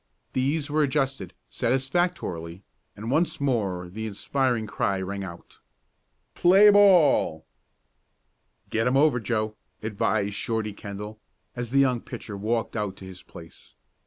These were adjusted satisfactorily, and once more the inspiring cry rang out: "Play ball!" "Get 'em over, Joe," advised Shorty Kendall, as the young pitcher walked out to his place.